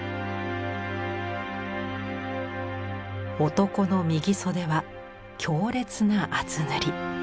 男の右袖は強烈な厚塗り。